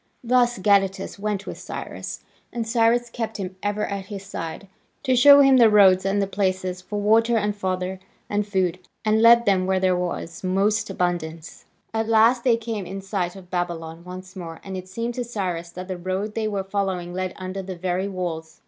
Thus Gadatas went with Cyrus, and Cyrus kept him ever at his side, to show him the roads and the places for water and fodder and food, and lead them where there was most abundance. At last they came in sight of Babylon once more, and it seemed to Cyrus that the road they were following led under the very walls.